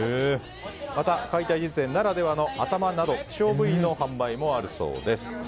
また、解体実演ならではのアタマなど希少部位の販売もあるそうです。